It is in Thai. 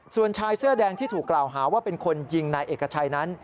ส่วนชายเสื้อแดงที่ถูกกล่าวหาว่าเป็นคนยิงนายเอกชัยนั้น